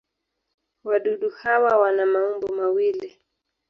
Wadudu hawa wana maumbo mawili.